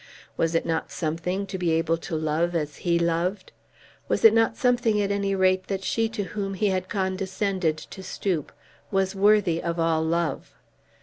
Was it not something to be able to love as he loved? Was it not something at any rate that she to whom he had condescended to stoop was worthy of all love?